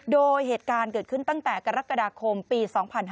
โดยเหตุการณ์เกิดขึ้นตั้งแต่กรกฎาคมปี๒๕๕๙